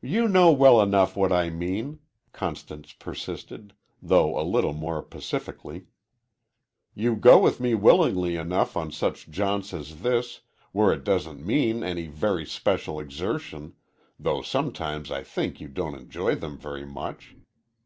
"You know well enough what I mean," Constance persisted, though a little more pacifically. "You go with me willingly enough on such jaunts as this, where it doesn't mean any very special exertion, though sometimes I think you don't enjoy them very much.